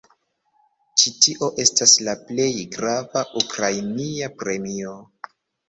Ĉi tio estas la plej grava ukrainia premio.